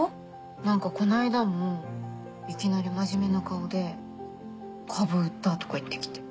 何かこの間もいきなり真面目な顔で「株売った」とか言って来て。